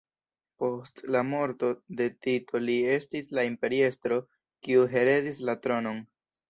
Post la morto de Tito li estis la imperiestro kiu heredis la tronon.